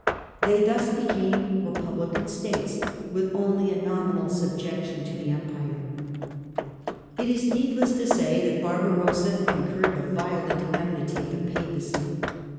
They thus became republican states with only a nominal subjection to the Empire. It is needless to say that Barbarossa incurred the violent enmity of the Papacy.